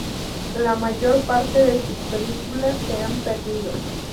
La mayor parte de sus películas se han perdido.